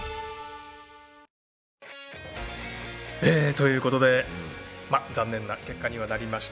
ということで残念な結果にはなりました。